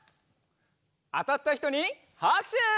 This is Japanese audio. あたったひとにはくしゅ！